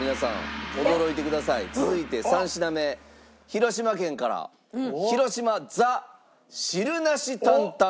続いて３品目広島県から広島ＴＨＥ・汁なし担担麺です。